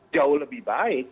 jauh lebih baik